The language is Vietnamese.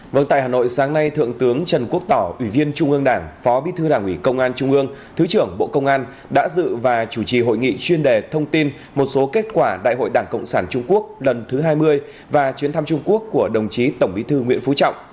vâng tại hà nội sáng nay thượng tướng trần quốc tỏ ủy viên trung ương đảng phó bí thư đảng ủy công an trung ương thứ trưởng bộ công an đã dự và chủ trì hội nghị chuyên đề thông tin một số kết quả đại hội đảng cộng sản trung quốc lần thứ hai mươi và chuyến thăm trung quốc của đồng chí tổng bí thư nguyễn phú trọng